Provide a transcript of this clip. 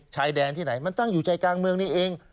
ชายแดนที่ไหนมันตั้งอยู่ใจกลางเมืองนี้เอง